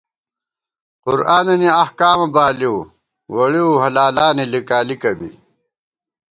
قرآنَنی احکامہ بالِؤ ووڑِؤ حلالانی لِکالِکہ بی